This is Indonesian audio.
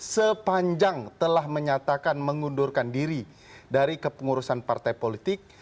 sepanjang telah menyatakan mengundurkan diri dari kepengurusan partai politik